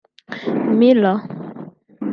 Miller